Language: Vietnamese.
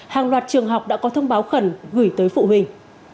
hàng loạt trường học đã có thông báo khẩn gửi tới phụ huynh